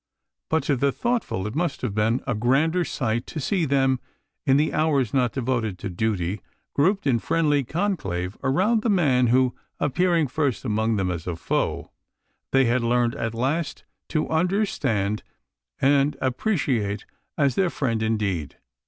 But to the thoughtful it must have been a grander sight to see them, in the hours not devoted to duty, grouped in friendly conclave around the man who, appearing first among them as a foe, they had learned at last to understand and appreciate as their friend indeed.